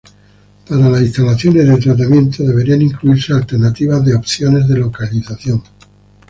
Para las instalaciones de tratamiento, deberían incluirse alternativas de opciones de localización.